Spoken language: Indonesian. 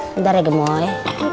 bentar ya gemoy